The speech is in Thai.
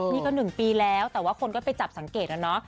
นี่ก็๑ปีแล้วแต่ว่าคนก็ไปจับสังเกตนะเนาะ